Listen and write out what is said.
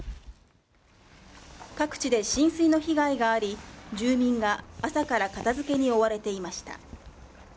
各地で浸水の被害があり、住民が朝から片付けに追われていました。